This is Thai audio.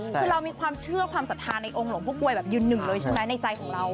คือเรามีความเชื่อความสัมภาษณ์ในองค์หลงพกวยอยู่หนึ่งเลยใช่มั้ยในใจของเรา